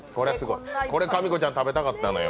これ、かみこちゃん食べたかったのよ。